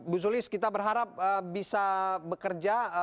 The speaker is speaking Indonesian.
bu sulis kita berharap bisa bekerja